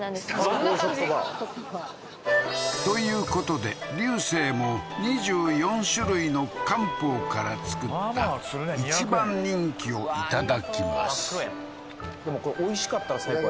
そんな感じ？ということで流星も２４種類の漢方から作った一番人気をいただきますいただきます